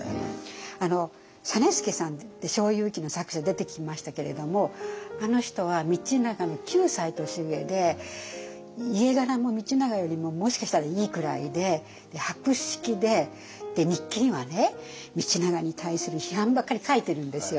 実資さんって「小右記」の作者出てきましたけれどもあの人は道長の９歳年上で家柄も道長よりももしかしたらいいくらいで博識で日記にはね道長に対する批判ばっかり書いてるんですよ。